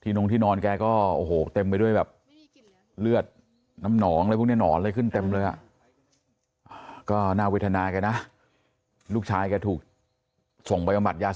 ที่โน่งที่นอนแกก็โอ้โหเต็มไปด้วยแบบเลือดน้ำหนองผู้ตายแล้วนอนเลยขึ้นเต็มเลยอ่ะ